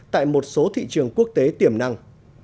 tại một số thị trường quốc tế tiềm năng